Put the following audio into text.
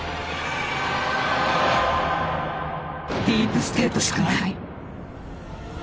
「ディープステートしかない！」。